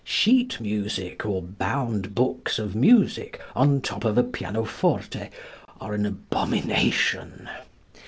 Sheet music or bound books of music on top of a pianoforte are an abomination.